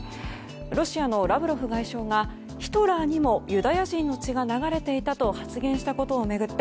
ロシアのラブロフ外相がヒトラーにもユダヤ人の血が流れていたと発言したことを巡り